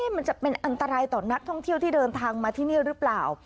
มันจะเป็นอันตรายต่อนักท่องเที่ยวที่เดินทางมาที่นี่หรือเปล่า